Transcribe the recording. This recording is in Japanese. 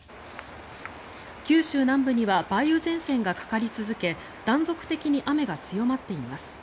九州南部には梅雨前線がかかり続け断続的に雨が強まっています。